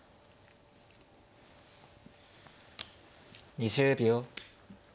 ２０秒。